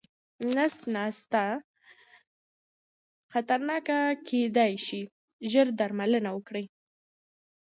نس ناسته خطرناکه کيداې شي، ژر درملنه وکړئ.